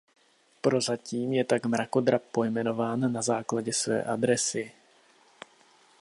Prozatím je tak mrakodrap pojmenován na základě své adresy.